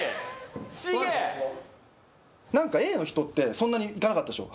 シゲなんかＡの人ってそんなにいかなかったでしょ？